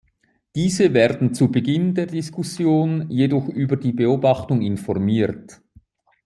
Diese werden zu Beginn der Diskussion jedoch über die Beobachtung informiert.